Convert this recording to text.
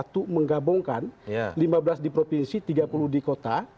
satu menggabungkan lima belas di provinsi tiga puluh di kota